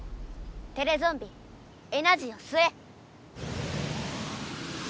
テレゾンビエナジーをすえ！